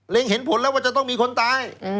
เห็นผลแล้วว่าจะต้องมีคนตาย